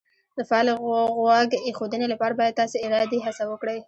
د فعالې غوږ ایښودنې لپاره باید تاسې ارادي هڅه وکړئ